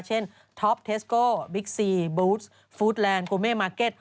เช่นท็อปเทสโกบิ๊กซีบูตซ์ฟูตแลนด์กูเม่มาร์เก็ต